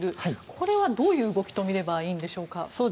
これはどういう動きと見ればいいんでしょうか。